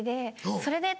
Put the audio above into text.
「それで？」